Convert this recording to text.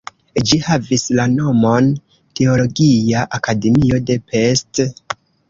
Ĝi havis la nomon "Teologia Akademio de Pest".